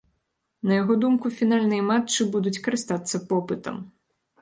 На яго думку, фінальныя матчы будуць карыстацца попытам.